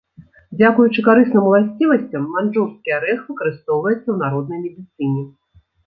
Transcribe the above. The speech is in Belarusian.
Дзякуючы карысным уласцівасцям, маньчжурскі арэх выкарыстоўваецца ў народнай медыцыне.